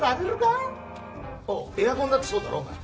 おうエアコンだってそうだろ？お前。